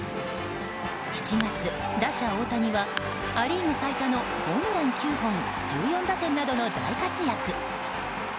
７月、打者・大谷はア・リーグ最多のホームラン９本１４打点などの大活躍。